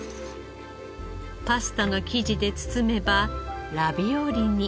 パスタの生地で包めばラビオリに。